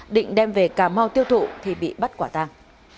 định đem về cà mau tiêu thụ thì bị bắt quả tàng